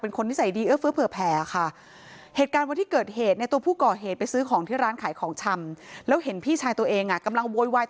เป็นคนนิสัยดีเอ้อเฟื่อแผลค่ะ